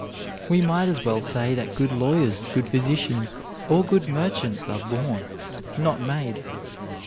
We might as well say that good lawyers, good physicians, or good merchants are born, not made.